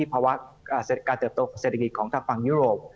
ภาวะการเติบโตของเศรษฐกิจของทางฝั่งยุโรป